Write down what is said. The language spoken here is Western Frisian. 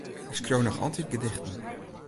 Ik skriuw noch altyd gedichten.